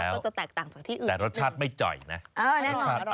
รสชาติจะแตกต่างจากที่อื่น